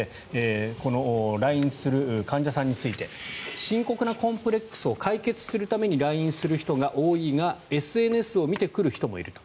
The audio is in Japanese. この来院する患者さんについて深刻なコンプレックスを解決するために来院する人が多いがＳＮＳを見てくる人もいると。